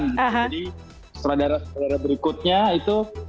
jadi surat surat berikutnya itu